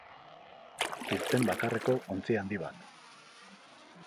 Kirten bakarreko ontzi handi bat.